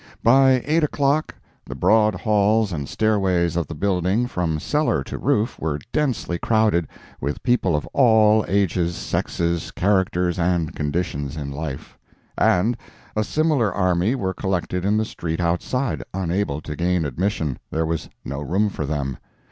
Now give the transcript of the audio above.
By eight o'clock, the broad halls and stairways of the building, from cellar to roof, were densely crowded, with people of all ages, sexes, characters, and conditions in life; and a similar army were collected in the street outside, unable to gain admission—there was no room for them.